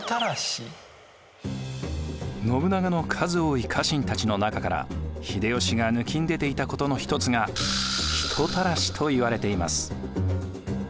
信長の数多い家臣たちの中から秀吉がぬきんでていたことの一つが人たらしといわれています。